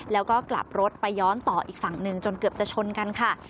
แล้วก็กลับรถไปย้อนต่ออีกฝั่งหนึ่งจนเกือบจะชนกันค่ะ